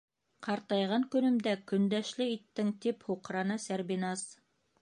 Ҡартайған көнөмдә көндәшле иттең! - гип һуҡрана Сәрбиназ.